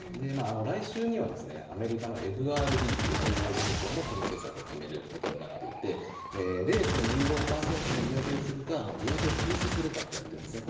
来週にはアメリカのＦＲＢという中央銀行も金融政策を決めることになっていて、０．２５％の利上げをするか、利上げを停止するかといわれているんですね。